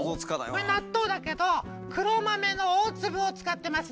納豆だけど黒豆の大粒を使ってます